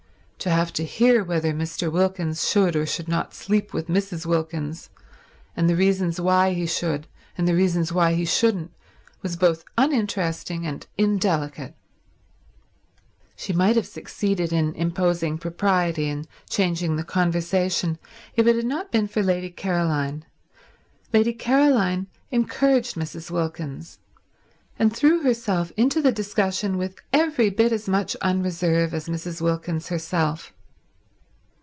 To have to hear whether Mr. Wilkins should or should not sleep with Mrs. Wilkins, and the reasons why he should and the reasons why he shouldn't, was both uninteresting and indelicate. She might have succeeded in imposing propriety and changing the conversation if it had not been for Lady Caroline. Lady Caroline encouraged Mrs. Wilkins, and threw herself into the discussion with every bit as much unreserve as Mrs. Wilkins herself.